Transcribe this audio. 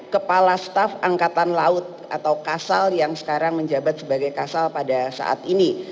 kepala staf angkatan laut atau kasal yang sekarang menjabat sebagai kasal pada saat ini